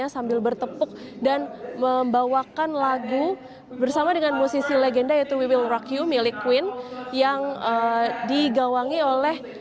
sambil bertepuk dan membawakan lagu bersama dengan musisi legenda yaitu we will rock you milik queen yang digawangi oleh